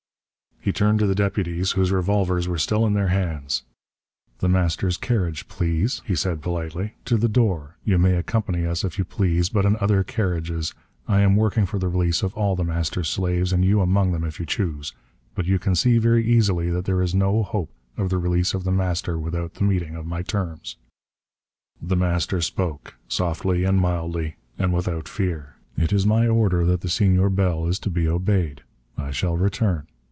He turned to the deputies, whose revolvers were still in their hands. "The Master's carriage, please," he said politely. "To the door. You may accompany us if you please, but in other carriages. I am working for the release of all the Master's slaves, and you among them if you choose. But you can see very easily that there is no hope of the release of The Master without the meeting of my terms." The Master spoke, softly and mildly and without fear. "It is my order that the Senor Bell is to be obeyed. I shall return.